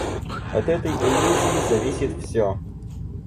От этой иллюзии зависит все.